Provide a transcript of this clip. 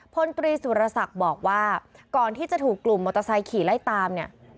พลตรีสุรศักดิ์บอกว่าก่อนที่จะถูกกลุ่มมอเตอร์ไซค์ขี่ไล่ตามเนี่ย